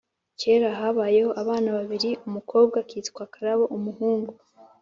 Kera habayeho abana babiri, umukobwa akitwa Karabo, umuhungu